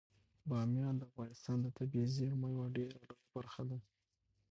بامیان د افغانستان د طبیعي زیرمو یوه ډیره لویه برخه ده.